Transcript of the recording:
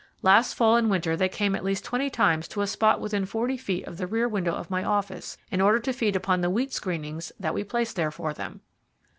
Last fall and winter they came at least twenty times to a spot within forty feet of the rear window of my office, in order to feed upon the wheat screenings that we placed there for them.